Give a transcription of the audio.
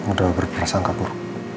udah berpingsan kabur